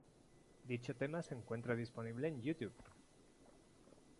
Dicho tema se encuentra disponible en Youtube.